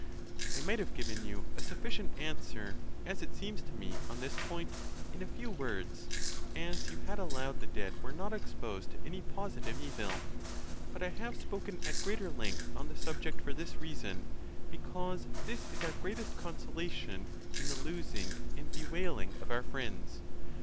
I might have given you a sufficient answer, as it seems to me, on this point, in a few words, as you had allowed the dead were not exposed to any positive evil; but I have spoken at greater length on the subject for this reason, be cause this is our greatest consolation in the losing and be wailing of our friends.